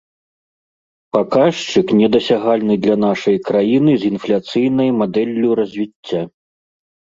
Паказчык, недасягальны для нашай краіны з інфляцыйнай мадэллю развіцця.